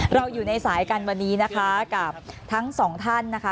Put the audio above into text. เราอยู่ในสายกันวันนี้นะคะกับทั้งสองท่านนะคะ